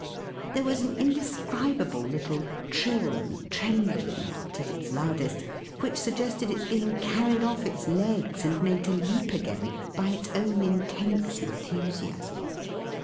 There was an indescribable little trill and tremble in it, at its loudest, which suggested its being carried off its legs, and made to leap again, by its own intense enthusiasm.